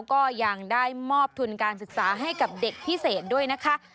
ก็ยังได้มอบทุนการศึกษาให้กับเด็กพิเศษด้วยนะคะ